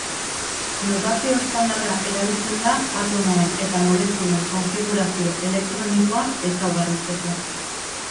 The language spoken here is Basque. Notazio estandarra erabiltzen da atomoen eta molekulen konfigurazio elektronikoa ezaugarritzeko.